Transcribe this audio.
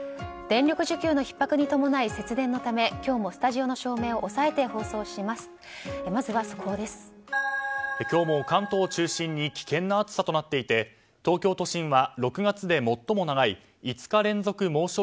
電力需要のひっ迫に伴い節電のため今日もスタジオの照明を抑えて放送しています。